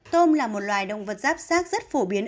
tôm là một loài động vật giáp sát rất phổ biến